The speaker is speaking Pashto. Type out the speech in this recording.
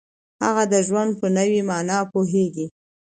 هغه د ژوند په نوې معنا پوهیږي.